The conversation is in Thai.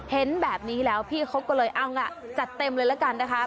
เห็นแบบนี้แล้วพี่เขาก็เลยเอางะจัดเต็มเลยละกันนะคะ